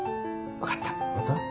わかった？